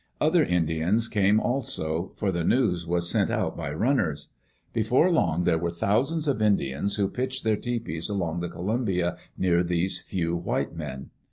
Other Indians came also, for the news was sent out by runners. Before long there were thousands of Indians who pitched their tepees along the Columbia near these few white men.